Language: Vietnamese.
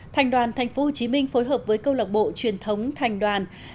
thành đoàn tp hcm phối hợp với câu lòng trả lời